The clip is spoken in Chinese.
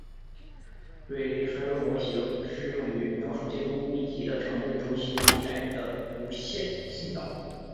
瑞利衰落模型适用于描述建筑物密集的城镇中心地带的无线信道。